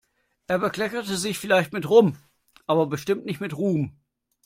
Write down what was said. Er bekleckert sich vielleicht mit Rum, aber bestimmt nicht mit Ruhm.